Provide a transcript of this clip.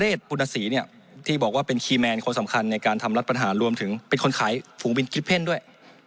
ปุณศรีเนี่ยที่บอกว่าเป็นคีย์แมนคนสำคัญในการทำรัฐปัญหารวมถึงเป็นคนขายฝูงบินกิฟเพ่นด้วย